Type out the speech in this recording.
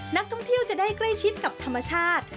นักท่องเที่ยวจะได้ใกล้ชิดกับธรรมชาติ